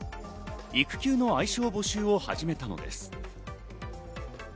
育休の愛称募集を始めたのです。